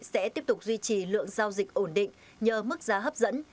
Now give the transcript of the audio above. sẽ tiếp tục duy trì lượng giao dịch ổn định nhờ mức giá hấp dẫn